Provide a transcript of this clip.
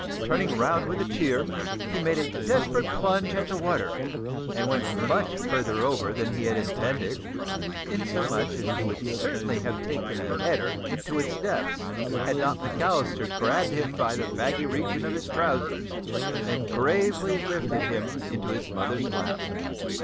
Turning round with a cheer, he made a desperate plunge at the water and went much farther over than he had intended, insomuch that he would certainly have taken a "header" into its depths, had not McAllister grasped him by the baggy region of his trousers and gravely lifted him into his mother's lap.